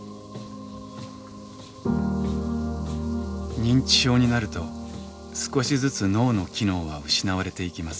認知症になると少しずつ脳の機能は失われていきます。